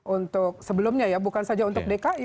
untuk sebelumnya ya bukan saja untuk dki